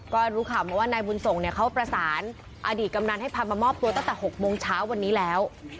ก็รู้ข่าวมาว่านายบุญส่งเนี่ยเขาประสานอดีตกำนันให้พามามอบตัวตั้งแต่๖โมงเช้าวันนี้แล้ว